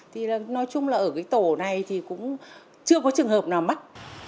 thì nói chung là ở cái tổ này thì cũng chưa có trường hợp nào mắc